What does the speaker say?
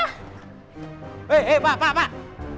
hei hei pak pak pak